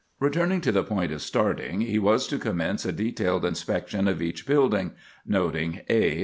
Returning to the point of starting, he was to commence a detailed inspection of each building, noting: _a.